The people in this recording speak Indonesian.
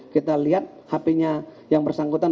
kita lihat hp nya yang bersangkutan